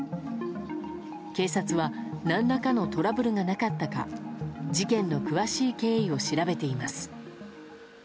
警察は何らかのトラブルがなかったか事件の詳しい経緯を調べています。